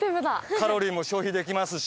カロリーも消費できますし。